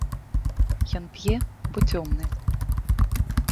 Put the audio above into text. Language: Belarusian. Ён п'е, бо цёмны.